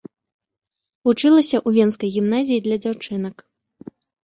Вучылася ў венскай гімназіі для дзяўчынак.